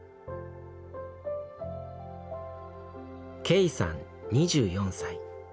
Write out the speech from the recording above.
けいさん２４歳。